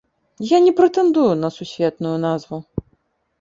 Я не прэтэндую на сусветную назву.